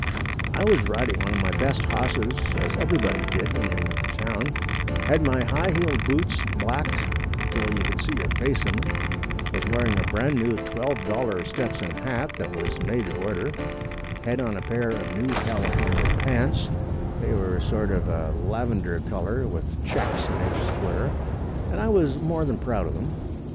I was riding one of my best hosses, as everybody did when they went to town; had my high heeled boots blacked till you could see your face in them; was wearing a brand new $12 Stetson hat that was made to order; had on a pair of new California pants they were sort of a lavender color with checks an inch square, and I was more than proud of them.